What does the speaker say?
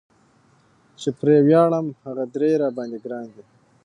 چې پرې وياړم هغه درې را باندي ګران دي